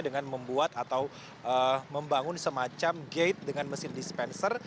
dengan membuat atau membangun semacam gate dengan mesin dispenser